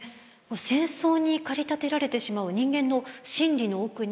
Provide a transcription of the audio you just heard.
戦争に駆り立てられてしまう人間の心理の奥に何があるのか。